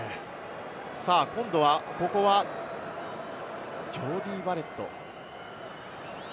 今度はここはジョーディー・バレット。